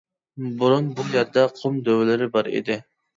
بۇرۇن بۇ يەردە قۇم دۆۋىلىرى بار ئىدى .